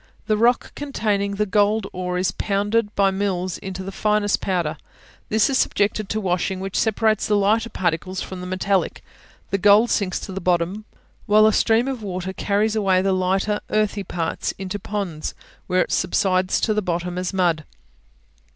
The rock containing the gold ore is pounded by mills into the finest powder; this is subjected to washing, which separates the lighter particles from the metallic; the gold sinks to the bottom, while a stream of water carries away the lighter earthy parts into ponds, where it subsides to the bottom as mud.